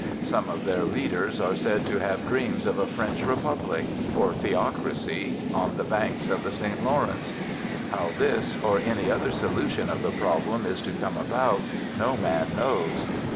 Some of their leaders are said to have dreams of a French Republic or theocracy on the banks of the St Lawrence. How this, or any other, solution of the problem is to come about, no man knows.